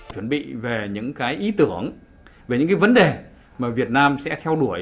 chuẩn bị về những cái ý tưởng về những cái vấn đề mà việt nam sẽ theo đuổi